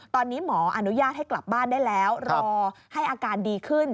ตอนนี้หมออนุญาตให้กลับบ้านได้แล้วรอให้อาการดีขึ้น